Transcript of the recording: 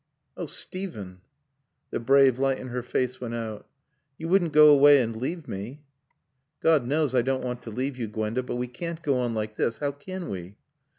"Oh, Steven " The brave light in her face went out. "You wouldn't go away and leave me?" "God knows I don't want to leave you, Gwenda. But we can't go on like this. How can we?"